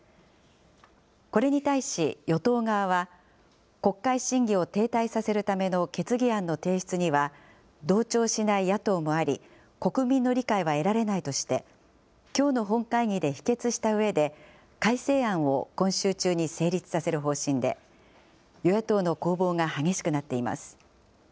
これに対し与党側は、国会審議を停滞させるための決議案の提出には、同調しない野党もあり、国民の理解は得られないとして、きょうの本会議で否決したうえで、改正案を今週中に成立させる方針で、与野党の攻防が激しくなっています。